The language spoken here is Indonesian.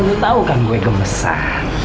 lu tahu kan gue gemesan